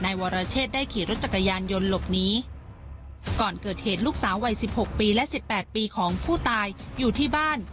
วรเชษได้ขี่รถจักรยานยนต์หลบหนีก่อนเกิดเหตุลูกสาววัยสิบหกปีและสิบแปดปีของผู้ตายอยู่ที่บ้าน